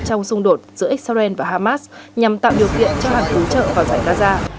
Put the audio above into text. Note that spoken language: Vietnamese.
trong xung đột giữa israel và hamas nhằm tạo điều kiện cho hàng cứu trợ vào giải gaza